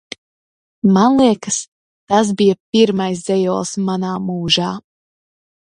Man liekas, tas bija pirmais dzejolis manā mūžā.